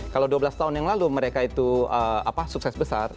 kalau dua belas tahun yang lalu mereka itu sukses besar